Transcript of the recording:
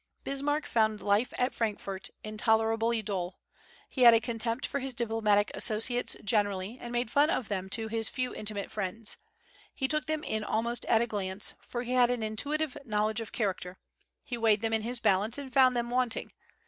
Bismarck found life at Frankfort intolerably dull. He had a contempt for his diplomatic associates generally, and made fun of them to his few intimate friends. He took them in almost at a glance, for he had an intuitive knowledge of character; he weighed them in his balance, and found them wanting.